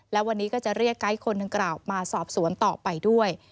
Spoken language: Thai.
และวันนี้ก็จะเรียกไกด์คนดังกล่าวมาสอบสวนต่อไปด้วย